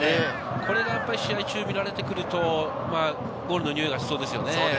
これが試合中見られてくると、ゴールのにおいがしそうですよね。